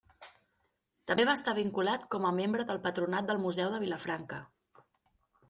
També va estar vinculat com a membre del Patronat del Museu de Vilafranca.